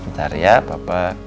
bentar ya papa